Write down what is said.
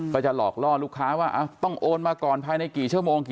ก็จะหลอกล่อลูกค้าว่าต้องโอนมาก่อนภายในกี่ชั่วโมงกี่